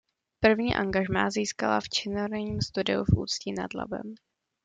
První angažmá získala v Činoherním studiu v Ústí nad Labem.